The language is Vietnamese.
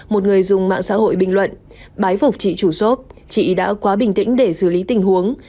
một người dùng mạng xã hội bình luận bái phục trị chủ xốp chị đã quá bình tĩnh để xử lý tình huống